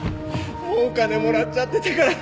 もうお金もらっちゃってたから。